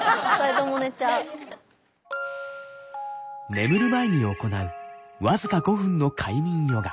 眠る前に行う僅か５分の快眠ヨガ。